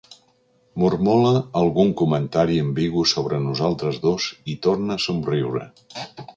Mormola algun comentari ambigu sobre nosaltres dos i torna a somriure.